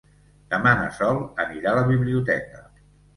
Demà na Sol anirà a la biblioteca.